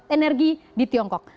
energi di tiongkok